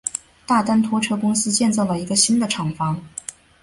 大丹拖车公司建造了一个新的厂房。